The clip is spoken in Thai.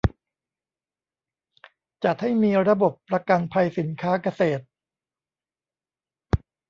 จัดให้มีระบบประกันภัยสินค้าเกษตร